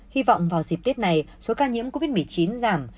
hy vọng vào dịp tết này số ca nhiễm covid một mươi chín giảm